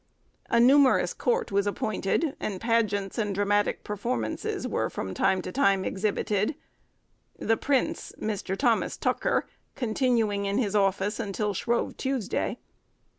A numerous court was appointed, and pageants and dramatic performances were from time to time exhibited; the "Prince," Mr. Thomas Tucker, continuing in his office until Shrove Tuesday.